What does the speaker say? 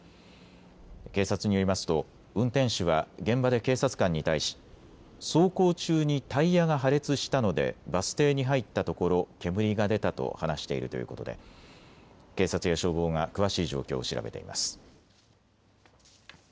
警察によりますと運転手は現場で警察官に対し走行中にタイヤが破裂したのでバス停に入ったところ煙が出たと話しているということで警察や消防が詳しい状況を調べています。